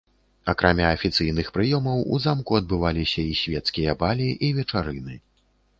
Акрамя афіцыйных прыёмаў у замку адбываліся і свецкія балі і вечарыны.